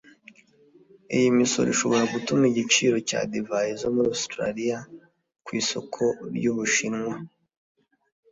Iyi misoro ishobora gutuma igiciro cya divayi zo muri Australia ku isoko ry'u Bushinwa